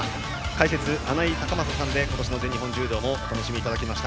解説、穴井隆将さんで今年の全日本柔道をお楽しみいただきました。